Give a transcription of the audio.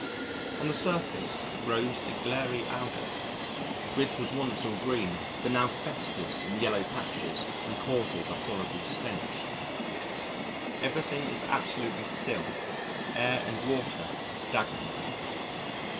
On the surface grows a glairy Alga, which was once all green but now festers in yellow patches and causes a horrible stench. Everything is absolutely still, air and water are stagnant.